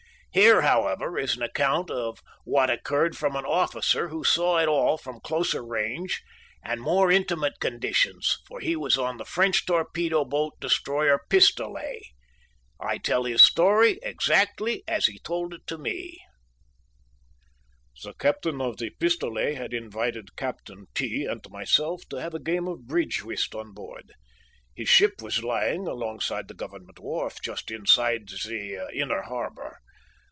Here, however, is an account of what occurred from an officer who saw it all from closer range and more intimate conditions, for he was on the French torpedo boat destroyer Pistolet. I tell his story exactly as he told it to me: "The Captain of the Pistolet had invited Capt. T. and myself to have a game of bridge whist on board. His ship was lying alongside the Government wharf, just inside the inner harbor.